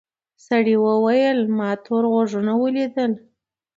سړي وویل ما تور غوږونه ولیدل.